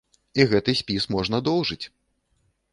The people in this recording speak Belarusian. І гэты спіс можна доўжыць!